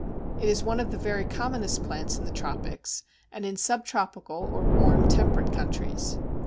It is one of the very commonest plants in the tropics and in sub tropical or warm, temperate countries.